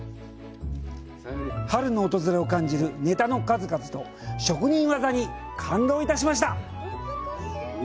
春の訪れを感じるネタの数々と、職人技に感動いたしました。